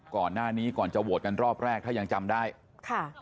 แต่ว่าเราก็อยากจะขอโอกาสเนอะให้โอกาสเราได้ทำ